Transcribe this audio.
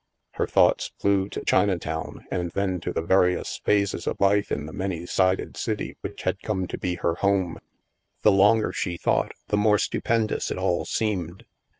Her thoughts flew to Chinatown and then to the various phases of life in the many sided city which had come to be her home. The longer she thought, the more stupendous it all seemed.